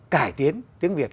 cải tiến tiếng việt